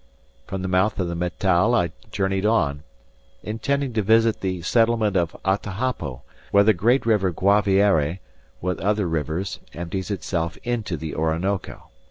From the mouth of the Meta I journeyed on, intending to visit the settlement of Atahapo, where the great River Guaviare, with other rivers, empties itself into the Orinoco.